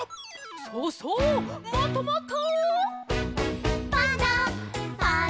そうそうもっともっと！